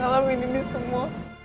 kenapa harus aku siang alam ini miss semua